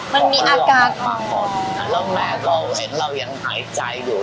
มันมีอาการมาหมดแล้วแม่ก็เห็นเรายังหายใจอยู่